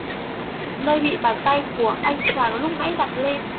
Nơi bị bàn tay của anh chàng lúc nãy đặt lên